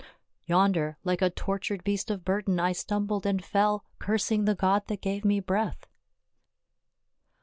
Yonder, like a tortured beast of burden, I stumbled and fell, cursing the God that gave me breath.